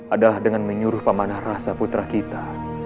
adalah dengan menyuruh pemanah rasa putra kita